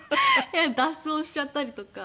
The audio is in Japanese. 脱走しちゃったりとか。